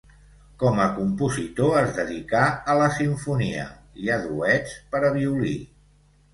Com a compositor es dedicà a la simfonia, i a duets per a violí.